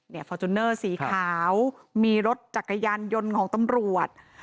ฟอร์จูเนอร์สีขาวมีรถจักรยานยนต์ของตำรวจ